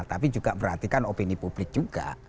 tapi juga perhatikan opini publik juga